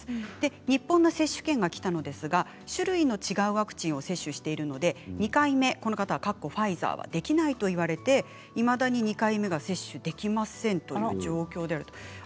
日本の接種券がきたのですが種類の違うワクチンを接種しているので２回目ファイザーはできないと言われていまだに２回目が接種できませんという状況だと。